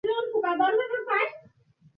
নীরবালার প্রবেশ নীরবালা।